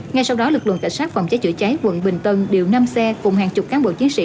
ngay sau đó lực lượng cảnh sát phòng cháy chữa cháy quận bình tân điều năm xe cùng hàng chục cán bộ chiến sĩ